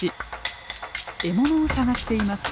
獲物を探しています。